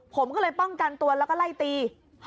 ผมก็เลยป้องกันตัวแล้วก็ไล่ตี